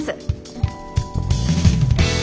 うん。